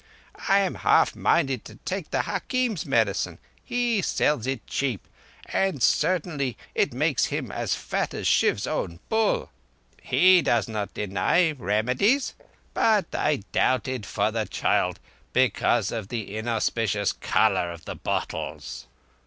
I am half minded to take the hakim's medicine. He sells it cheap, and certainly it makes him fat as Shiv's own bull. He does not deny remedies, but I doubted for the child because of the in auspicious colour of the bottles."